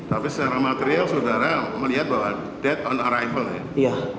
tapi secara material saudara melihat bahwa that on arrival ya